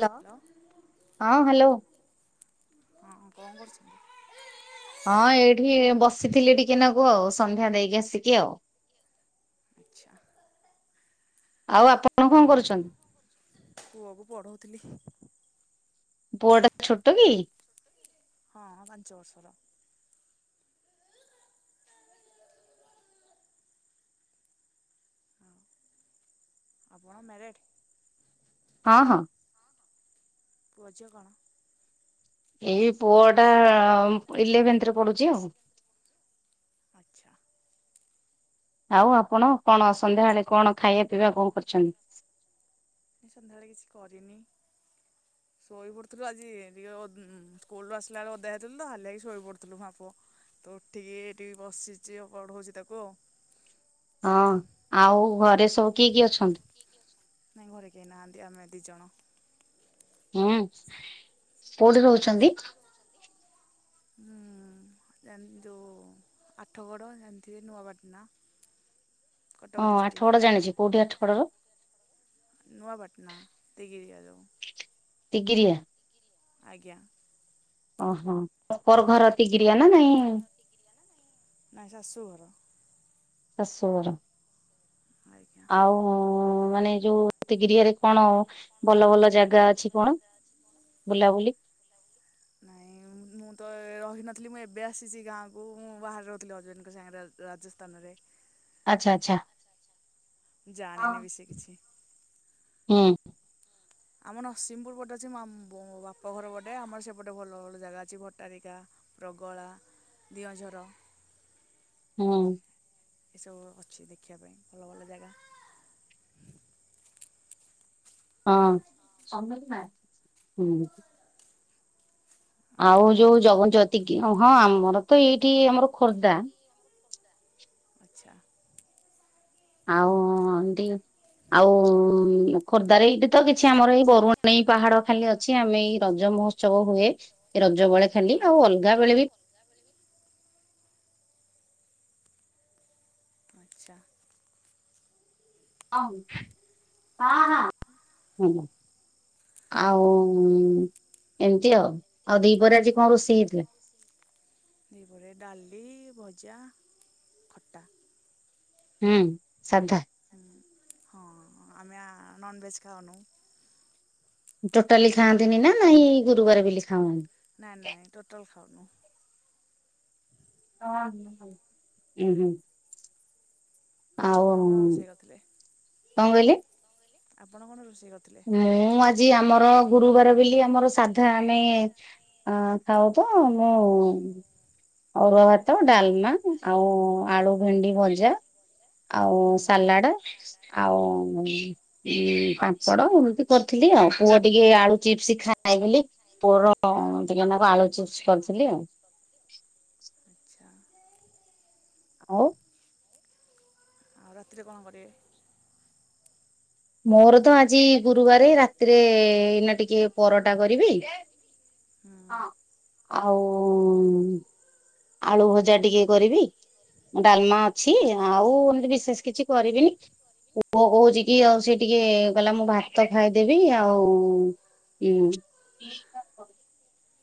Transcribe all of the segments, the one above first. Hello hello ହଁ hello. ହଁ କଣ କରୁଛନ୍ତି? ହଁ ଏଇଠି ବସିଥିଲି ଟିକେନାଗୁ ଆଉ ସନ୍ଧ୍ୟା ଦେଇକି ଆସିକି ଆଉ ଆଚ୍ଛା ଆଉ ଆପଣ କଣ କରୁଚନ୍ତି? ପୁଅକୁ ପଢଉଥିଲି ପୁଅଟା ଛୋଟ କି? ହଁଁ ପାଞ୍ଚବର୍ଷର। ହଁ ଆପଣ ମ୍ୟାରେଟ୍? ହଁ ହଁ। ପୁଅ ଝିଅ କଣ? ଏଇ ପୁଅଟା ଇଲେଭେନ୍ଥ ରେ ପଢୁଛି ଆଉ ଆଚ୍ଛା। ଆଉ ଆପଣ କଣ ସନ୍ଧ୍ୟାବେଳେ କଣ ଖାଇବା ପିଇବା କଣ କରିଛନ୍ତି? ସନ୍ଧ୍ୟାବେଳେ କିଛି କରିନି [unintelligible] ଶୋଇ ପଡିଥିଲୁ ଆଜି ଟିକେ ସ୍କୁଲରୁୁ ଆସିଲା ବେଳେ ଓଦା ହେଇଥିଲୁ ତ ହାଲିଆ ହେଇକି ଶୋଇପଡିଥିଲୁ ମା ପୁଅ ତ ଉଠିକି ଏଠି ବସିଛି ଆଉ ପଢ଼ଉଚି ତାକୁ ଆଉ ହଁ ଆଉ ଘରେ ସବୁ କିଏ କିଏ ଅଛନ୍ତି? କିଏ କିଏ ଅଛନ୍ତି ନାଇଁ ଘରେ କେହି ନାହାନ୍ତି ଆମେ ଦି ଜଣ ହୁଁ କୋଉଠି ରହୁଛନ୍ତି? ହୁଁ ଯୋଉ ଆଠଗଡ଼ ଜାଣିଥିବେ ନୂଆପାଟନା ହଁ ଆଠଗଡ ଜାଣିଛି କୋଉଠି ଆଠଗଡର ନୂଆପାଟନା ଦିଗି ଦିଗା ଯୋଉ ଦିଗିରିଆ ଆଜ୍ଞା। ଓହୋ ପ୍ରପର ଘର ତିଗିରିଆ ନା ନାଇଁ ନାଇଁ ଶାଶୁଘର ଶାଶୁଘର ଆଜ୍ଞା ଆଉ ହଁ ମାନେ ଯୋଉ ତିଗିରିଆରେ କଣ ଭଲ ଭଲ ଜାଗା ଅଛି କଣ? ବୁଲାବୁଲି ନାଇଁ ମୁଁ ତ ରହିନଥିଲି ମୁଁ ଏବେ ଆସିଛି ଗାଁକୁ ମୁଁ ବାହାରେ ରହୁଥିଲି ହଜବେଣ୍ଡଙ୍କ ସାଙ୍ଗରେ ରାଜସ୍ଥାନରେ। ଆଚ୍ଛା ଆଚ୍ଛା। ଜାଣିନି ଏ ବିଷୟରେ କିଛି ହୁଁ। ଆମର ନରସିଂହପୁର ଗୋଟେ ଅଛି ମାମ ବାପ ଘର ଗୋଟେ ଆମର ସେପଟେ ଭଲ ଭଲ ଜାଗା ଅଛି ଭଟ୍ଟାରିକା ପ୍ରଗଳା, ଦିଅଁଝର ହୁଁ। ଏସବୁ ଅଛି ଦେଖିବା ପାଇଁ ଭଲ ଭଲ ଜାଗା ହଁ [unintelligible] ହୁଁ। ଆଉ ଯୋଉ ଜଗଜତି କି ହଁ ଆମର ତ ଏଇଠି ଆମର ଖୋର୍ଦ୍ଧା ଆଚ୍ଛା। ଆଉ ଡ଼ି ଆଉ ଖୋର୍ଦ୍ଧାରେ ଏଇଠି ତ କିଛି ଆମର ଏଇ ବରୁଣେଇ ପାହାଡ ଖାଲି ଅଛି ଆମେ ଏଇ ରଜମଉଜ ଉଛବ ହୁଏ ରଜ ବେଳେ ହଁ ଖାଲି ଆଉ ହଁ ଅଲଗା ବେଳେ ବି ଆଚ୍ଛା ହଁ ହଁ। ଆଉ ଏମିତି ଆଉ ଆଉ ଦିପରେ ଆଜି କଣ ରୋଷେଇ ହେଇଥିଲା? ଦିପରେ ଡାଲି, ଭଜା ଖଟା। ହୁଁ ସାଧା ଉଁ ହଁ ଆମେ ଆ ନନଭେଜ ଖାାଉନୁ। ଟୋଟାଲି ଖାଆନ୍ତିନି ନା ନାଇଁ ଗୁରୁବାର ବୋଲିି ଖାାଉନ ନା ନା ଟୋଟାଲ ଖାଉନୁ। ଉଁ ହୁଁ। ଆଉ ଆପଣ କଣ ରୋଷେଇ କରିଥିଲେ କଣ କହିଲେ? ଆପଣ କଣ ରୋଷେଇ କରିଥିଲେ? ମୁଁ ଆଜି ଆମର ଗୁରୁବାର ବଲି ଆମର ସାଧା ଆମେ ଆ ଖାଉତ ମୁଁ ଅରୁଆ ଭାତ, ଡାଲମା, ଆଉ ଆଳୁ ଭେଣ୍ଡି ଭଜା। ଆଉ ହୁଁ ସାଲାଡ, ଆଉ ପା ପଡ ଏମିତି କରିଥିଲି ଆଉ ପୁଅ ଟିକେ ଆଳୁ ଚିପ୍ସ ଖାଏ ବଲି ପୁଅର ଟିକେ ନାକୁ ଆଳୁ ଚିପ୍ସ କରିଥିଲି ଆଉ ଆଚ୍ଛା। ହଉ ଆଉ ରାତିରେ କଣ କରିବେ? ମୋର ତ ଆଜି ଗୁରୁବାର ରାତିରେ ଏଇନା ଟିକେ ପରଟା କରିବି। ହୁଁ ଆଉ ଆଳୁ ଭଜା ଟିକେ କରିବି। ଡାଲମା ଅଛି ଆଉ ଏିମିତି ବିଶେଷ କିଛି କରିବିନି ପୁଅ କହୁଛି କି ଆଉ ସେ ଟିକେ କହିଲା ମୁଁ ଭାତ ଖାଇଦେବି ଆଉ ହୁଁ [inaudible]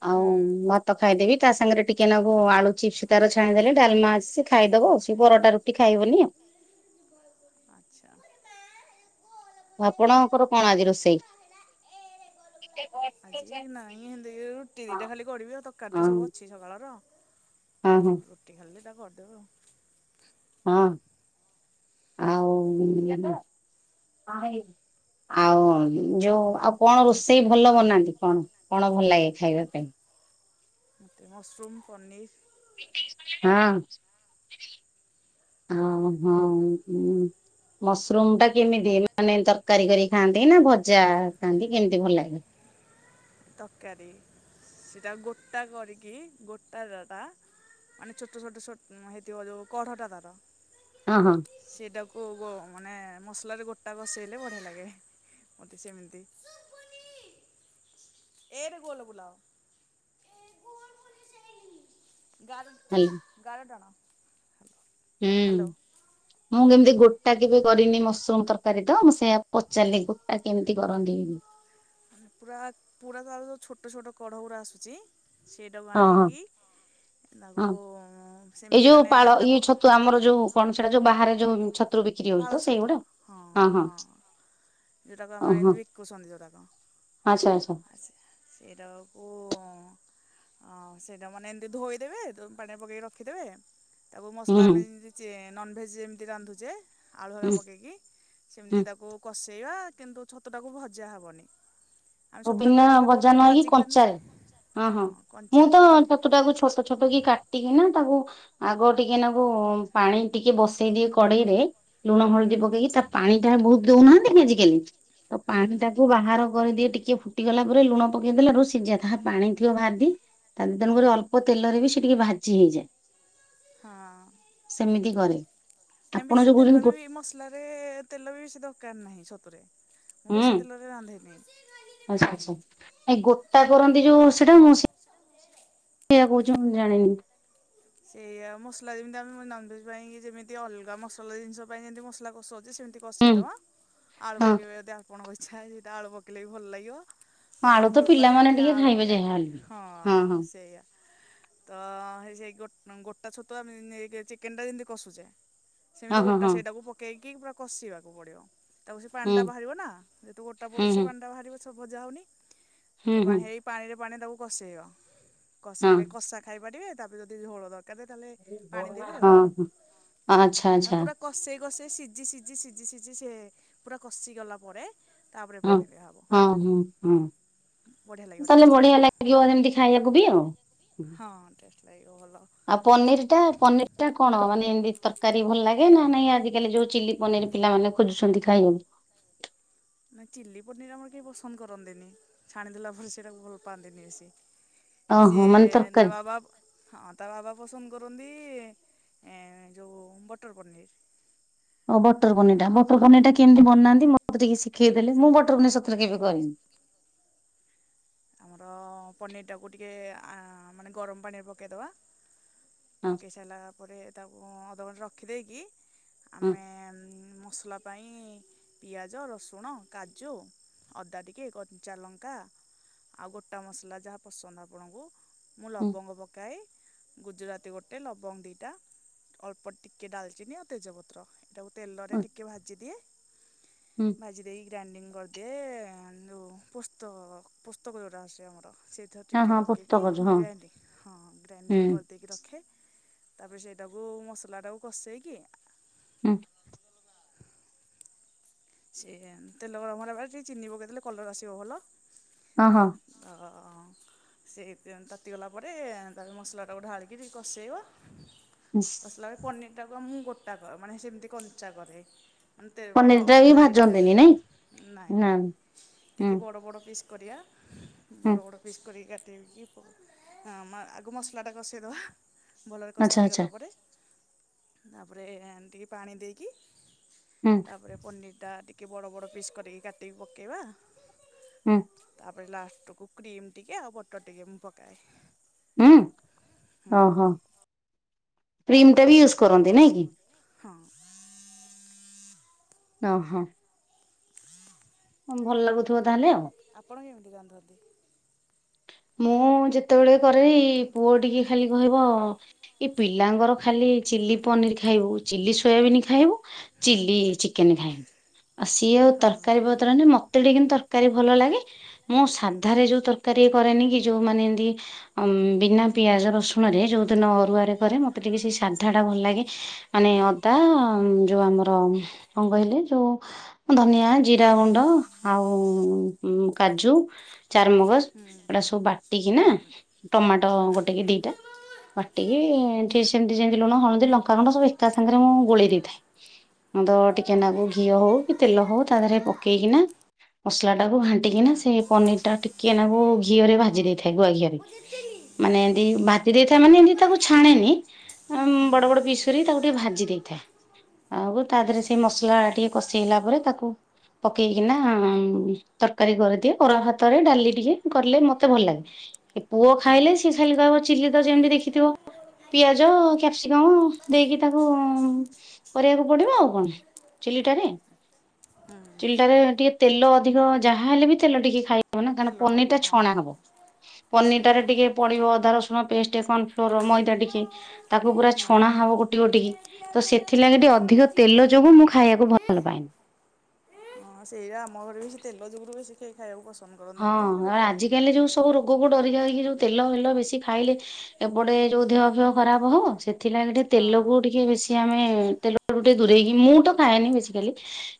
ଆଉ ହୁଁ ଭାତ ଖାଇଦେବି ତା ସାଙ୍ଗରେ ଟିକେ ନାଗୁ ଆଳୁ ଚିପ୍ସ ତାର ଛାଣିଦେଲେ ଡାଲମା ଅଛି ଖାଇଦବ ସେ ପରଟା ରୁଟି ଖାଇବନି ଆଉ। ଆଛା। ଆପଣଙ୍କର କଣ ଆଜି ରୋଷେଇ? ଏଇ ନାଇଁ ଏତି ରୁଟି ହଁ ଦିଟା ଖାଲି କରିବି ଆଉ ତରକାରୀ ତ ସବୁ ଅଛି ସକାଳର। ହୁଁ ହୁଁ। ରୁଟି ଖାଲି ଦିଇଟା କରିଦେବ। ହଁ ଆଉ ଆଉ ଯୋଉ ଆଉ କଣ ରୋଷେଇ ଭଲ ବନାନ୍ତି କଣ? କଣ ଭଲ ଲାଗେ ଖାଇବା ପାଇଁ? ମସରୁମ୍, ପନିର୍। ହଁ ହଁ ହଁ ହୁଁ। ମସରୁମଟା କେମିତି ମାନେ ତରକାରୀ କରି ଖାଆନ୍ତି ନା ଭଜା ଖାଆନ୍ତି କେମିତି ଭଲ ଲାଗେ? ତରକାରୀ ସେଇଟା ଗୋଟା କରିକି ଗୋଟା ଟା ମାନେ ଛୋଟ ଛୋଟ ଛୋଟ୍ ହେଇ ଥିବ ଯୋଉ କଢଟା ତାର ହଁ ହଁ। ସେଟାକୁ ମାନେ ବ ମସଲାରେ ଗୋଟା କଷେଇଲେ ବଢିଆ ଲାଗେ ମତେ ସେମିତି। ଏରେ ଗୋଲ ବୁଲାଅ। ଗାର ହା ଗାର ଟାଣ। ହୁଁ। ହ୍ୟାଲୋ ମୁଁ କେମିତି ଗୋଟା କେବେ କରିନି ମସରୁମ୍ ତରକାରୀ ତ ମୁଁ ସେଇୟା ପଚାରିଲି ଗୋଟା କେମିତି କରନ୍ତିିନି? ପୁରା ପୁରା ତାର ଯୋଉ ଛୋଟ ଛୋଟ କଢଉରା ଆସୁଚି ସେଇଟାକୁ ହଁ ହଁ ଆଣିକି ହଁ ତାକୁ ଏଇ ସେମିତି ଯୋଉ ମାନେ ପାଳ ଇଏ ତାକୁ ଛତୁ ଆମର ଯୋଉ କଣ ସେଇଟା ଯୋଉ ବାହାରେ ଯୋଉ ଛ ପାଳ ଛତୁ ହଁ ହଁ। ଯୋଉଟାକୁ ଆମେ ଓହୋ ଏମିତି ବିକୁଚନ୍ତି ଯୋଉରାକ ଆଚ୍ଛା ଆଚ୍ଛା ଆ। [unintelligible] ସେଇଟାକୁ ଉଁ ଅଁ ସେଇଟା ମାନେ ଏମିତି ଧୋଇଦେବେ ଦୋ ପାଣିରେ ପକେଇକି ରଖିଦେବେ। ତାକୁ ହୁଁ ମସଲା ହୁଁ ଆମେ ଯେମିତି ଚେ ନନଭେଜ୍ ଯେମିତି ରାନ୍ଧୁଚେ। ଆଳୁ ହେରିକା ହୁଁ ପକେଇକି ହୁଁ। ସେମିତି ତାକୁ କଷେଇବା କିନ୍ତୁ ଛତୁଟାକୁ ଭଜା ହବନି। ଆମେ ଓ ଛତୁଟାକୁ ବିନା ଯେତେବେଳେ ଭଜା କରୁଚେ ନ ହେଇକି ଭାଜିକି ଯେମିତି କଞ୍ଚାରେ ହଁ ମୁଁ ତ କଞ୍ଚାରେ। ଛତୁଟାକୁ ଛୋଟ ଛୋଟ କି କାଟିକିନି ତାକୁ ଆଗ ଟିକେ ନାଗୁ ପାଣି ଟିକେ ବସେଇ ଦିଏ କଡେଇରେ। ଲୁଣ ହୁଁ ହଳଦୀ ପକେଇକି ତା ପାଣିଟା ବହୁତ ଦଉନାହାନ୍ତି କି ଆଜିକାଲି। ତ ହୁଁ ପାଣିଟାକୁ ବାହାର କରିଦିଏ ଟି କେ ଫୁଟିଗଲା ପରେ ଲୁଣ ପକେଇ ଦେଲାରୁ ସିଜା [unintelligible] ତାହା ପାଣିଥିବ ଭାର ଦି ତାକୁ ହୁଁ ତେଣୁକରି ଅଳ୍ପ ତେଲରେ ବି ସେ ଟିକେ ଭାଜି ହେଇଯାଏ। ହଁ ସେମିତି କରେ ନାଇଁ ଆପଣ ବେଶୀ ଯୋଉ କହୁଛନ୍ତି ଗୋ ତେଲରେ ବି ମ ସଲାରେ ତେଲ ବି ବେଶୀ ଦରକାର ନାହିଁ ଛତୁରେ। ମୁଁ ହୁଁ ବେଶୀ ତେଲରେ ରାନ୍ଧେନି। ଆଚ୍ଛା ଆଚ୍ଛା ଏ ଗୋଟା କରନ୍ତି ଯୋଉ ସେଟା ମ ସେଇଆ କୋହୁଚି ମୁଁ ଜାଣନି। ସେଇୟା ମସଲା ଯେମିତି ଆମେ ନନଭେଜ୍ ପାଇଁ କି ଯେମିତି ଅଲଗା ମସଲା ଜିନିଷ ପାଇଁ ଯେମତି ମସଲା କଷଉଚେ ସେମିତି ବସେଇ ହୁଁ ଦବା ଆଳୁ ହଁ। ପକେଇବେ ଯଦି ଆପଣଙ୍କ ଇଛା। ଦିଇଟା ଆଳୁ ପକେଇଲେ ବି ଭଲ ଲାଗିବ। ହଁ ମୋ ଆଳୁ ପୁଅ ତ ଭଲପାଏ ପିଲାମାନେ ସେଥିପାଇଁ ଟିକେ ଆଳୁ ଖାଇବେ ପକାଏ ଯାହା ହେଲେ ବି। ହଁ ସେଇୟା। ତ ହେଇ ସେଇ ଗୋ-ଗୋଟା ଛତୁ ଆମେ ଯେମିତି ନେଇ [unintelligible] ଚିକେନ ଟା ଯେମିତି କଷୁଚେ। ହଁ ସେମିତି ହଁ ଗୋଟା ହଁ ସେଇଟାକୁ ପକେଇକି ପୁରା କଷିବାକୁ ପଡିବ। ତାପରେ ସେଇ ପାଣିଟା ହୁଁ ବାହାରିବ ନା ଯେହେତୁ ଗୋଟା ହୁଁ ପଡୁଚି ହୁଁ ପାଣିଟା ବାହାରିବ ସେ ଭଜା ହଉନି ତ ହୁଁ ପା ହୁଁ ହେଇ ପାଣିରେ ପାଣିରେ ତାକୁ କଷେଇବ ହଁ। କଷେଇଲେ କଷା ଖାଇ ପାରିବେ ତାପରେ ଯଦି ଝୋଳ କେତେ ଢାଲେ ପାଣି ଦେବେ ଆଉେ ହଁ ମା ହଁ ଆଚ୍ଛା [unintelligible] ଆଚ୍ଛା ନେ ପୁରା କଷେଇ କଷେଇ ସିଝି ସିଝି ସିଝି ସିଝି ସେ ପୁରା କଷି ଗଲା ପରେ ତାପରେ ହଁ। ପାଣି ଦିଆହବ। ହଁ ହଁ ହଁ ବଢିଆ ଲାଗିବ ତାହେଲେ ଟେଷ୍ଟ ବଢିଆ ଲାଗିବ ଯେମିତି ଖାଇବାକୁ ବି ଆଉ। ହଁ ଟେଷ୍ଟ ଲାଗିବ ଭଲ। ଆଉ ପନିର ଟା ପନିର ଟା କଣ ମାନେ ଏମିତି ତରକାରୀ ଭଲ ଲାଗେ ନା ନାଇଁ ଆଜିକାଲି ଯୋଉ ଚିଲି ପନିର ପିଲାମାନେ ଖୋଜୁଛନ୍ତି ଖାଇମୁ। ନା ଚିଲି ପନିର ଆମର କେହି ପସନ୍ଦ କରନ୍ତିନି ଛାଣିଦେଲା ପରେ ସେଇଟାକୁ ଭଲ ପାଆନ୍ତିନି ବେଶୀ। ଓହୋ ସିଏ ମାନେ ତରକାରୀ। ଢ଼ାବା ବାବୁ। ହଁ ତା ବାବା ପସନ୍ଦ କରନ୍ତି ଯେଉଁ ବଟର ପନିର୍। ଓ ବଟର ପନିର ଟା ବଟର ପନିର ଟା କେମତି ବନାନ୍ତି ମୋତେ ଟିକେ ଶିଖେଇ ଦେଲେ ମୁଁ ବଟର ପନିର ସତରେ କେବେ କରିନି। ଆମର ପନିର ଟାକୁ ଟିକେ ଆ- ମାନେ ଗରମ ପାଣିିରେ ପକେଇଦବା। ହଁ ପକେଇ ସାରିଲା ପରେ ତାକୁ ଅଧଘଣ୍ଟେ ରଖିଦେଇକି ହଁ ଆମେ ମସଲା ପାଇଁ ପିଆଜ, ରସୁଣ, କାଜୁ, ଅଦା ଟିକେ କଞ୍ଚା ଲଙ୍କା ଆଉ ଗୋଟା ମସଲା ଯାହା ପସନ୍ଦ ଆପଣଙ୍କୁ ମୁଁ ହଁ ଲବଙ୍ଗ ପକାଏ। ଗୁଜୁରାତି ଗୋଟେ ଲବଙ୍ଗ ଦୁଇଟା ଅଳ୍ପ ଟିକଏ ଡାଲଚିନି ଆଉ ତେଜପତ୍ର। ତାକୁ ତେଲରେ ହଁ ଟିକେ ଭାଜିଦିଏ। ଭାଜି ଦେଇ ଗ୍ରାଣ୍ଡିଙ୍ଗ କରିଦିଏ ଯୋଉ ପୋସ୍ତ ପୋସ୍ତକ ଯୋଉଟା ଆସେ ଆମର। ସେଇଥିରେ ହଁ ଟିକେ ହଁ ପୋସ୍ତ ପକେଇକି କରୁଛୁ ମୁଁ ହଁ। ଗ୍ରାଇଣ୍ଡିଙ୍ଗ ହଁ ଗ୍ରାଇଣ୍ଡିଙ୍ଗ ହୁଁ କରିଦେଇକି ରଖେ। ତାପରେ ସେଇଟାକୁ ମସଲାଟାକୁ କଷେଇକି ହୁଁ। ସେ ତେଲ ଗରମ ହେଲା ପରେ ଟିକେ ଚିନି ପକେଇଦେଲେ କଲର ଆସିବ ଭଲ। ହଁ ହଁ। ଅ ସେଇ ତେଲ୍ ତାତିଗଲା ପରେ ତାରେ ମସଲାଟାକୁ ଢାଳିକି କଷେଇବ। ହୁଁ। ଲାଏ ପନିରଟାକୁ ମୁଁ ଗୋଟା କ ମାନେ ସେମିତି କଞ୍ଚା କରେ ମାନେତେ ପନିର ଖ ଟା ବି ଭାଜେନି ଭାଜନ୍ତିନି ତେଲରେ ନାଇଁ ନାଇଁ ନା ହୁଁ ଟିକେ ବଡ଼ ବଡ଼ ପିସ୍ କରିବା ହୁଁ ବଡ଼ ବଡ଼ ପିସ୍ କରିକା କରଦେଇକି ଆଗ ମସଲା ଟା କଷେଇଦବା। ଭଲରେ କଷି ଆଚ୍ଛା ଆଚ୍ଛା ହେଇଗଲା ପରେ ତାପରେ ଟିକେ ପାଣି ଦେଇକି ହୁଁ। ତାପରେ ପନିରଟା ଟିକିଏ ବଡ଼ ବଡ଼ ପିସ୍ କଟିକି କାଟିକି ପକେଇବା। ହୁଁ ତାପରେ ଲାଷ୍ଟକୁ କ୍ରିମ୍ ଟିକେ ଆଉ ବଟର ଟିକେ ମୁଁ ପକାଏ। ହୁଁ ହୁଁ ଓହୋ କ୍ରିମ ଟା ବି ୟୁଜ କରନ୍ତି ନାଇଁ କି? ହଁ। ଓଁ ହଁ। ଭଲ ଲାଗୁଥିବ ତାହେଲେ ଆଉ? ଆପଣ କେମିତି ରାନ୍ଧନ୍ତି? ମୁଁ ଯେତେବେଳେ କରେ ଏଇ ପୁଅ ଟିକେ ଖାଲି କହିବ ଏ ପିଲାଙ୍କର ଖାଲି ଚିଲି ପନିର ଖାଇବୁ ଚିଲ୍ଲିି ସୋୟାବିନ୍ ଖାଇବୁ। ଚିଲି ଚିକେନ ଖାଇବୁ ସିଏ ଆଉ ହଁ ହୁଁ ତରକାରୀ ପତର ହେନେ ମ। ତେଟିକେ କିନ୍ତୁ ତରକାରୀ ଭଲ ଲାଗେ ମୁଁ ହୁଁ। ହୁଁ ହଁ। ସାଧାରେ ଯୋଉ ତରକାରୀ କରେନି କି ଯୋଉ ମାନେ ଏମତି। ବିନା ପିଆଜ ରସୁଣରେ ଯେଉଁଦିନ ଅରୁଆରେ କରେ ମୋତେ ଟିକିଏ ସେ ସାଧାଟା ଭଲ ଲାଗେ। ମାନେ ଅଦା ଯୋଉ ଆମର କଣ କହିଲେ ଯୋଉ। ଧନିଆ, ଜିରା ଗୁଣ୍ଡ ଆଉ କାଜୁ ଚାରମଗଜ୍ ଏଇଟା ସବୁ ବାଟିକି ନା ହୁଁ ହୁଁ ଟମାଟୋ ଗୋଟେ କି ଦିଟା ବାଟିକି କି ସେମିତି ଯେମିତି ଲୁଣ, ହଳଦୀ, ଲଙ୍କାଗୁଣ୍ଡ ସବୁ ଏକା ସାଙ୍ଗାରେ ମୁଁ ଗୋଳେଇ ଦେଇଥାଏ। ତ ଟିକେ ନାକୁ ଘିଅ ହଉ କି ତେଲ ହଉ ତା ଦେହରେ ପକେଇକିନା ମସଲା ଟାକୁ ଘା ବଟିକିନା ସେ ପନିର୍ ଟା ଟିକିଏ ନାକୁ ଘିଅରେ ଭାଜି ଦେଇଥାଏ ଗୁଆ ଘିଅରେ ମାନେ ଏମ୍ତି ଭାଜି ଦେଇଥାଏ ମାନେ ଏମିତି ତାକୁ ଛାଣେନି ବଡ ବଡ ପିସ୍ କରି ତାକୁ ଟିକେ ଭାଜି ଦେଇଥାଏ ଆଉ ତା ଦେହେରେ ଆଚ୍ଛା ସେଇ ମସ୍ଲା ଟିକେ କଷେଇ ହେଲା ପରେ ତାକୁ ପକେଇକିନା ତର୍କାରୀ କରିଦିଏ ଗରମ୍ ଭାତରେ ଡାଲି ଟିକେ କଲେ ମତେ ଭଲ୍ ଲାଗେ ଏ ପୁଅ ଖାଇଲେ ସିଏ ଖାଲି କହିବ ଚିଲି ତ ଯେମିତି ଦେଖିଥିବ ପିଆଜ, କ୍ୟାପ୍ସିକମ୍ ଦେଇକି ତାକୁ କରିବାକୁ ପଡିବ ଆଉ କଣ। ଚିଲିଟାରେ ଚିଲିଟାରେ ଟିକେ ତେଲ ଅଧିକ ଯାହା ହେଲେ ବି ତେଲ ଟିକେ ଖାଇ ହ ନା କାରଣ ତେଲ ହବ ପନିର୍ ଟା ଛଣା ହଁ ହବ ପନିର୍ ଟାରେ ସେଇଆ। ଟିକେ ପଡିବ ଅଦା ରସୁଣ ପେଷ୍ଟେ ଙ୍କଫ୍ଲୋର୍, ମଇଦା ହୁଁ। ଟିକେ ତାକୁ ପୁରା ଛଣା ହବ ଗୋଟି ଗୋଟିକି ତ ସେଥିଲାଗି ଟିକେ ଅଧିକ ତେଲ ଯୋଗୁ ମୁଁ ଖାଇବାକୁ ଭଲ ପାଏନି। ହଁ ସେଇୟା ଆମ ଘରେବି ସେଇ ତେଲ ଯୁଗୁରୁ ବେଶୀ କେହି ଖାଇବାକୁ ପସନ୍ ହଁ କରନ୍ତିନି ତ ମୁଁ କେବେ ଆଉ କରେନି। ଆଜିକାଲି ଯୋଉ ସବୁ ରୋଗକୁ ଡରି ଯାଇକି ଯୋଉ ତେଲ ଫେଲ ବେଶି ଖାଇଲେ ଏପଟେ ଯୋଉ ଦେହ ଫେହ ଖରାପ ହବ ସେ ଥିଲାଗି ଟିକେ ତେଲକୁ ହଁ ଟିକେ ବେଶୀ ଆମେ ତେଲୁ ଟିକେ ଦୂରେଇକି ମୁଁ ତ ଖାଏନି ବେଶୀ ଖାଲି।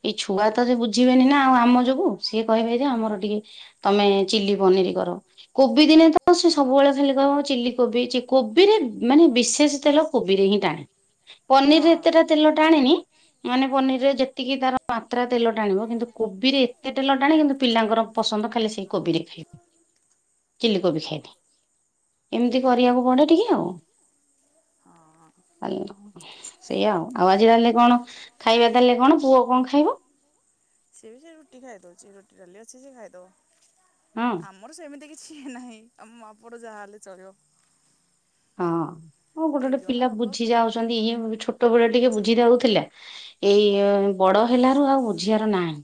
ଏଇ ହୁଁ ହୁଁ ଛୁଆତ ଥରେ ବୁଝିବେନି ନା ଆଉ ଆମ ଯୋଗୁ ସିଏ କହିବେ ଯେ ଆମର ଟିକେ ତମେ ଚିଲି ପନିରି କର। କୋବି ଦିନେତ ସେ ସବୁବେଳେ ଖାଲି କହିବ ଚିଲି କୋବିଚି କୋବିରେ ମାନେ ବିଶେଷେ ତେଲ କୋବିରେ ହିଁ ଟାଣେ ହଁ। ପନିର୍ ରେ ଏତେଟା ତେଲ ଟାଣେନି ମାନେ ପନିର୍ ରେ ଯେତିକି ତାର ମାତ୍ରା ତେଲ ଟାଣିବ କିନ୍ତୁ କୋବିରେ ଏତେ ତେଲ ଟାଣେ କିନ୍ତୁ ପିଲାଙ୍କର ପସନ୍ଦ ଖାଲେ ସେଇ କୋବିରେ ଥାଏ। ଚିଲି କୋବି ଖାଇବି ଏମିତି ହୁଁ କରିବାକୁ ପଡେ ଟିକେ ଆଉ। ଅହଁ। [unintelligible] ସେଇଆ ଆଉ ଆଉ ଆଜି ତାହେଲେ କଣ ଖାଇବା ତାହେଲେ କଣ ପୁଅ କଣ ଖାଇବ? ସିଏବି ସେଇ ରୁଟି ଖାଇଦଉଚି ରୁଟି, ଡାଲି ଅଛି ସେ ହଁ ଖାଇଦବ। ଆମର ସେମିତି କିଛି ନାହିଁ ଆମ ମା ପୁଅର ଯାହା ହେଲେ ଚଳିବ। ହଁ ହଁ ଗୋଟେ ଦି ଗୋଟେ ଜଣ ପିଲା ଲୋକ ବୁଝି ଯାଉ ଚନ୍ତି ଇଏ ଛୋଟ ବେଳ ଟିକେ ବୁଝି ଯାଉଥିଲା ଏଇ ହୁଁ ଇଏ ବଡ଼ ହେଲାରୁ ଆଉ ବୁଝିବାରୁ ନାହିଁ।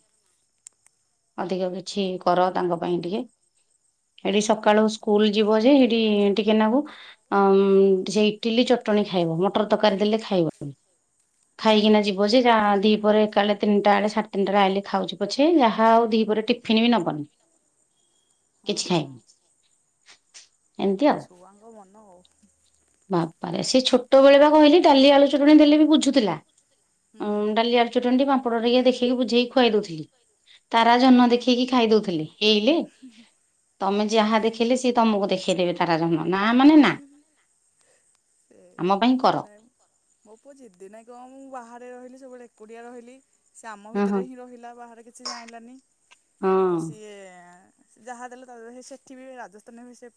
ଅଧିକ କିଛି କର ତାଙ୍କ ପାଇଁ ଟିକେ ଏଠି ସକାଳୁ ହଁ ସ୍କୁଲ୍ ଯିବ ଯେ ହେଇଠି ଟିକେ ନାକୁ ଆମ୍ ସେ ଇଟିଲି ଚଟଣୀ ଖାଇବ ମଟର୍ ତର୍କାରୀ ଦେଲେ ଖାଇବନି ହୁଁ। ଖାଇକିନା ଯିବ ଯେ ଯାହା ଦି ପରେ କାଳେ ତିନ୍ଟା ବଳେ ସାଢେ ତିନ୍ଟା ଆଇଲେ ଖାଉଚି ପଛେ ଯାହା ଆଉ ଦି ପହରେ ଟିଫିନି ବି ନବନି କିଛି ନାହିଁ। ହଁ ଏମିତି ଆଉ। ଛୁଆଙ୍କ ମନଓ ବାପାରେ ସେ ଛୋଟ ବେଳେ ବା କହିଲି ଡାଲି ଆଳୁ ଚଟଣି ଦେଲେ ବି ବୁଝୁଥିଲା ହୁଁ ଉଁ ଡାଲି ଆଳୁ ଚଟଣି ଟିକେ ପାପଡ଼ ଟିକେ ଦେଖିକି ବୁଝେଇିଖୁଆଇ ଦଉଥିଲି ତାରା ଜନ୍ହ ଆଜ୍ଞା। ଦେଖେଇକି ଖାଇ ଦଉଥିଲି ଇଲେ ତମେ ଯାହା ଦେଖେଇଲେ ସିଏ ତମକୁ ଦେଖେଇଦେବେ ତାରା ଜନ୍ହ ନା ମାନେ ନା ସେଇଆ ଆମ ପାଇଁ କ ନାଇଁ ମୋ ପୁଅ ଯିଦି ନାଇଁ କଣ ମୁଁ ବାହାରେ ରହିଲି ସବୁବେଳେ ଏକୁଟିଆ ରହିଲି। ସେ ଆମ ହଁ ହଁ ଭିତରେ ହିଁ ରହିଲା ବାହାରେ କିଛି ଜାଣିଲାନି ତ ହଁ। ସିଏ ଯାହା ଦେଲେ ତାହା ସେଠି ବି ରାଜସ୍ଥାନରେ ବି ସେ